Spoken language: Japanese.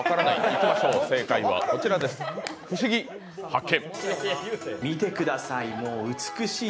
いきましょう、正解はこちらです、ふしぎ発見！